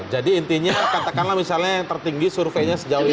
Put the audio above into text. jadi intinya katakanlah misalnya yang tertinggi surveinya sejauh ini